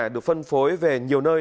được phân phối về nhiều nơi